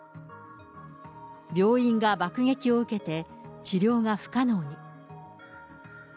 病院が爆撃を受けて、治療が不可能に。